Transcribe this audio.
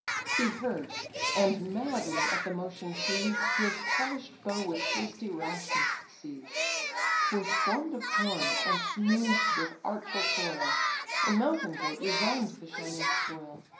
He heard, and madly at the motion pleased, His polish'd bow with hasty rashness seized. 'Twas form'd of horn, and smooth'd with artful toil: A mountain goat resign'd the shining spoil.